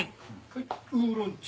はいウーロン茶。